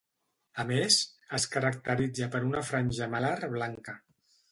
A més, es caracteritza per una franja malar blanca.